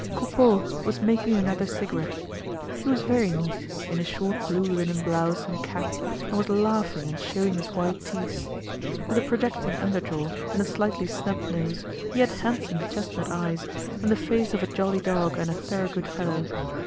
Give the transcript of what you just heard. Coupeau was making another cigarette. He was very neat, in a short blue linen blouse and cap, and was laughing and showing his white teeth. With a projecting under jaw and a slightly snub nose, he had handsome chestnut eyes, and the face of a jolly dog and a thorough good fellow.